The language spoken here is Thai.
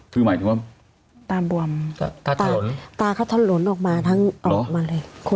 คือหมายถึงว่าตาบวมตาลตาเขาถลนออกมาทั้งออกมาเลย